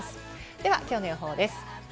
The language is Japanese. ではきょうの予報です。